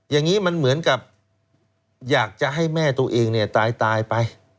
อย่างนี้มันเหมือนกับอยากจะให้แม่ตัวเองเนี่ยตายไป